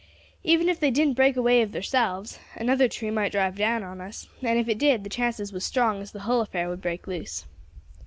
Even if they didn't break away of theirselves, another tree might drive down on us, and if it did, the chances was strong as the hull affair would break loose.